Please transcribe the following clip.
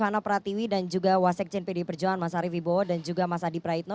artinya gimana nih bd perjuangan